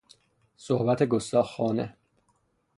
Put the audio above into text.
صحبت گستاخانه